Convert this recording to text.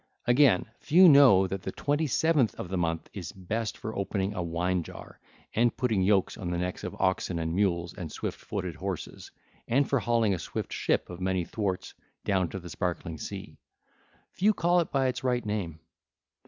(ll. 814 818) Again, few know that the twenty seventh of the month is best for opening a wine jar, and putting yokes on the necks of oxen and mules and swift footed horses, and for hauling a swift ship of many thwarts down to the sparkling sea; few call it by its right name.